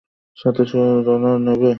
সাতশো ডলার নেবে।